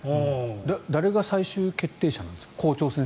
誰が最終決定者なんですか？